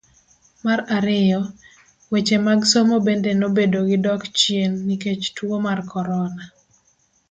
Mar ariyo, weche mag somo bende nobedo gi dok chien nikech tuo mar korona.